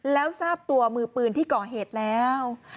แล้วทราบตัวมือปืนที่ก่อเหตุแล้ว